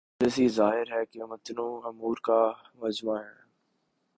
خارجہ پالیسی ظاہر ہے کہ متنوع امور کا مجموعہ ہے۔